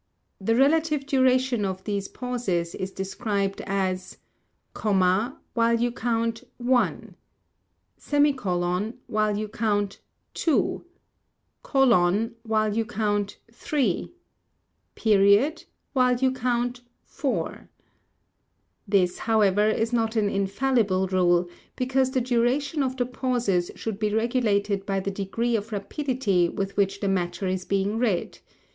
The Relative Duration of these pauses is described as: Comma While you count One. Semicolon """ Two. Colon """ Three. Period """ Four. This, however, is not an infallible rule, because the duration of the pauses should be regulated by the degree of rapidity with which the matter is being read.